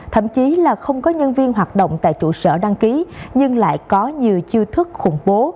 thậm chí là không có nhân viên hoạt động tại trụ sở đăng ký nhưng lại có nhiều chiêu thức khủng bố